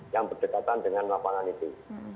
yang berdekatan dengan lapangan itu